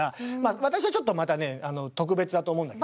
私はちょっとまたねあの特別だと思うんだけど。